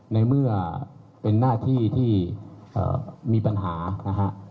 ในเมื่อเป็นหน้าที่ที่มีปัญหานะฮะ